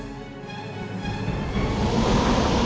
semoga gusti allah bisa menangkan kita